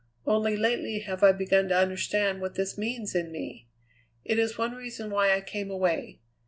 Only lately have I begun to understand what this means in me. It is one reason why I came away.